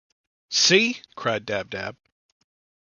“See!” cried Dab-Dab.